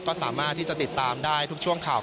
ก็สามารถที่จะติดตามได้ทุกช่วงข่าว